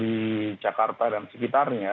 di jakarta dan sekitarnya